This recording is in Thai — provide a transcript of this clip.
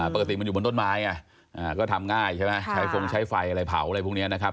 ปกติมันอยู่บนต้นไม้ไงก็ทำง่ายใช่ไหมใช้ฟงใช้ไฟอะไรเผาอะไรพวกนี้นะครับ